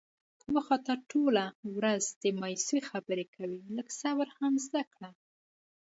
یو خو ته ټوله ورځ د مایوسی خبرې کوې. لږ صبر هم زده کړه.